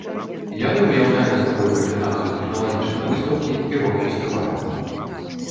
Яны ўяўлялі сабой камбінацыю тэхналагічнай выстаўкі і рок-фестывалю.